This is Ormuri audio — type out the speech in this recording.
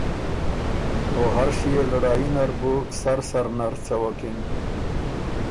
او هر ݭيې لړايي نر بُو سر سر نر څوکِن۔